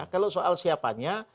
kalau soal siapanya